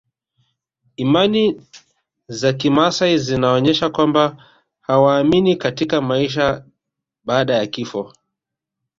Imani za kimaasai zinaonyesha kwamba hawaamini katika maisha baada ya kifo